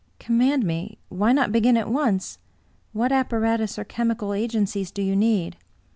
" Command me. Why not begin at once? ' What appa ratus or chemical agencies do you need?